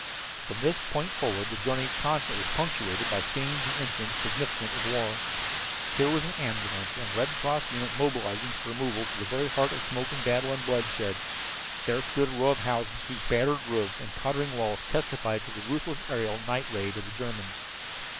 From this point forward the journey constantly was punctuated by scenes and incidents significant of war. Here was an ambulance and Red Cross unit mobilizing for removal to the very heart of smoke and battle and bloodshed; there stood a row of houses whose battered roofs and tottering walls testified to a ruthless aerial night raid of the Germans.